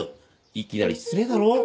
いきなり失礼だろ。